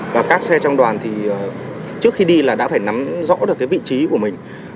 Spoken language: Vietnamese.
và các xe trong đoàn thì trước khi đi là đã phải nắm rõ được cái vị trí của mình